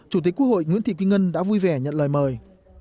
chủ tịch quốc hội nguyễn thị kim ngân đã vui vẻ nhận lời mời